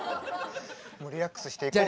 リラックスしていこう。